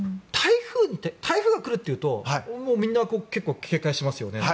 台風が来るっていうとみんな警戒しますよね。